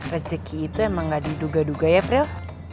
rezeki itu emang gak diduga duga ya prill